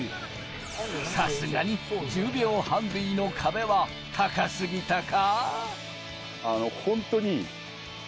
さすがに１０秒ハンディの壁は高すぎたか？